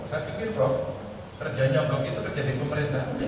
saya pikir prof kerjanya belum itu kerja di pemerintah